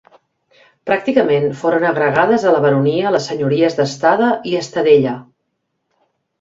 Pràcticament foren agregades a la baronia les senyories d'Estada i Estadella.